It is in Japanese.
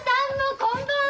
こんばんは。